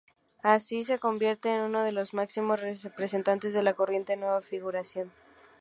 Así, se convierte en uno de los máximos representantes de la corriente Nueva Figuración.